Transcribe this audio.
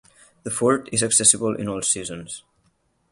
The fort is accessible in all seasons.